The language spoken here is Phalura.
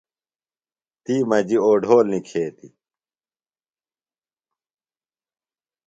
تی مجیۡ اوڈھول نِکھیتیۡ۔